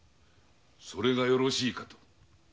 それがよろしいかと。